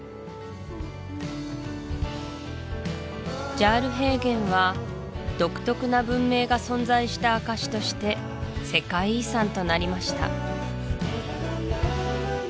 ジャール平原は独特な文明が存在した証しとして世界遺産となりました